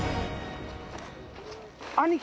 兄貴！